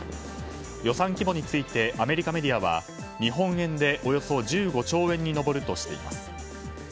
予算規模についてアメリカメディアは日本円でおよそ１５兆円に上るとしています。